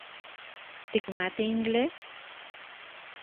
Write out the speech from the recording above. ¿Tikmati inglés?